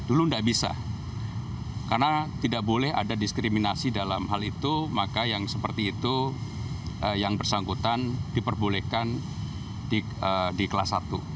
dulu tidak bisa karena tidak boleh ada diskriminasi dalam hal itu maka yang seperti itu yang bersangkutan diperbolehkan di kelas satu